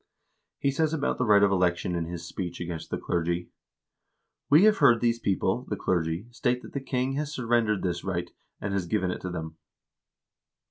He says about the right of election in his speech against the clergy :" We have heard these people (the clergy) state that the king has surrendered this right, and has given it to them.